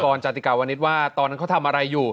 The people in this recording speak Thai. คุณกรจัตริกาวณิสว่าตอนนั้นเขาทำอะไรอยู่